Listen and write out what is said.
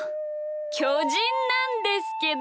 きょじんなんですけど！